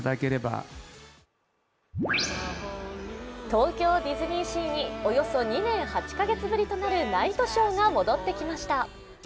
東京ディズニーシーにおよそ２年８か月ぶりとなるナイトショーが戻ってきました。